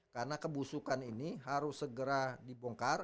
karena kebusukan ini harus segera dibongkar